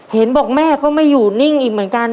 เห็นบอกแม่ก็ไม่อยู่นิ่งอีกเหมือนกัน